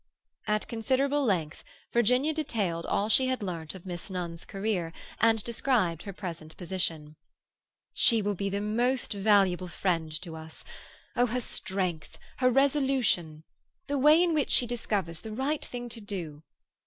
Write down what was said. At considerable length Virginia detailed all she had learnt of Miss Nunn's career, and described her present position. "She will be the most valuable friend to us. Oh, her strength, her resolution! The way in which she discovers the right thing to do!